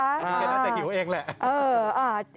เห็นแล้วแต่หิวเองแหละ